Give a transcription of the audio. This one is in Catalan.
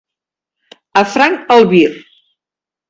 A franc albir.